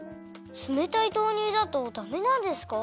つめたい豆乳だとダメなんですか？